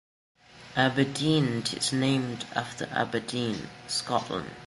Aberdeen is named after Aberdeen, Scotland.